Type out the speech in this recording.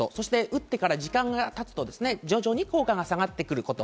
打ってから時間が経つと徐々に効果が下がってくること。